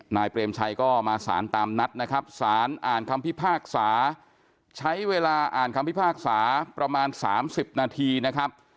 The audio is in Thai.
เปรมชัยก็มาสารตามนัดนะครับสารอ่านคำพิพากษาใช้เวลาอ่านคำพิพากษาประมาณ๓๐นาทีนะครับ